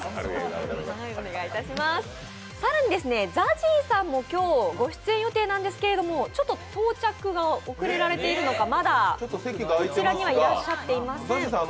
更に、ＺＡＺＹさんも今日、ご出演予定なんですけども、ちょっと到着が遅れられているのか、まだこちらにはいらっしゃっていません。